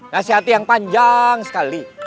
nasihati yang panjang sekali